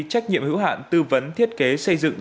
trách nhiệm hữu hạn tư vấn thiết kế xây dựng